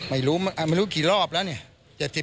ไม่รู้ไหนกี่รอบแล้ว